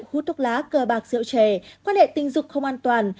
hút thuốc lá cờ bạc rượu trẻ quan hệ tình dục không an toàn